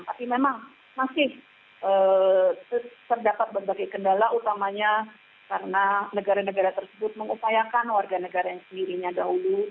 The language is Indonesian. tapi memang masih terdapat berbagai kendala utamanya karena negara negara tersebut mengupayakan warga negara yang sendirinya dahulu